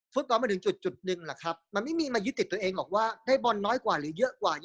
คุณต้องมาถึงจุดหนึ่งล่ะครับมันไม่มีมายุติตัวเองออกว่าให้บอลน้อยกว่าหรือเยอะกว่า